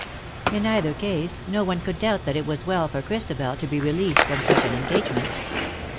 In either case no one could doubt that it was well for Christabel to be released from such an engagement.